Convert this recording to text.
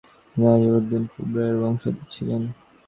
তিনি নাজিম উদ্দিন কুবরা এর বংশধর ছিলেন।